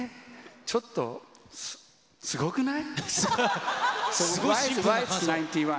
ちょっと、すごくない？